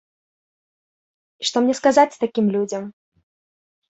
І што мне сказаць такім людзям?